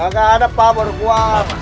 ga ada pak baru gua